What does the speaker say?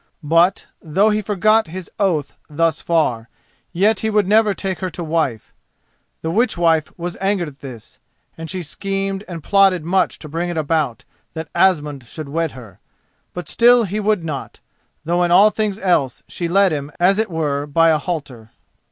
But, though he forgot his oath thus far, yet he would never take her to wife. The witchwife was angered at this, and she schemed and plotted much to bring it about that Asmund should wed her. But still he would not, though in all things else she led him as it were by a halter.